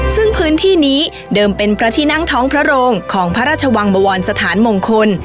ซึ่งพื้นที่นี้เดิมเป็นพระที่นั่งท้องพระโรงของพระราชวังบวรสถานมงคล